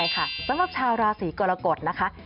สำหรับชาวราศรีกรกฎนะคะ